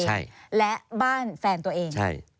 ใช่ใช่และบ้านแฟนตัวเอง